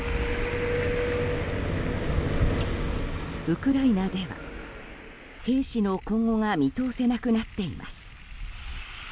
ウクライナでは、兵士の今後が見通せなくなっています。